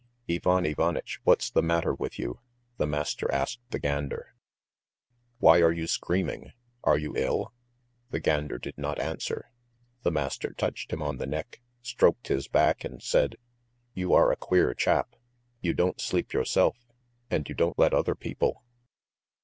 "Ivan Ivanitch, what's the matter with you?" the master asked the gander. "Why are you screaming? Are you ill?" The gander did not answer. The master touched him on the neck, stroked his back, and said: "You are a queer chap. You don't sleep yourself, and you don't let other people.